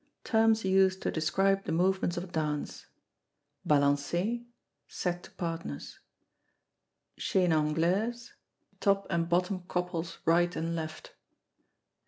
Terms used to Describe the Movements of Dances. Balancez. Set to partners. Chaine Anglaise. The top and bottom couples right and left.